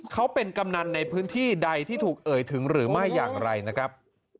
เขาเป็นกำนันในพื้นที่ใดที่ถูกเอ่ยถึงหรือไม่อย่างไรนะครับ